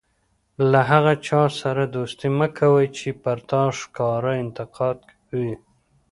له هغه چا سره دوستي مه کوئ! چي پر تا ښکاره انتقاد کوي.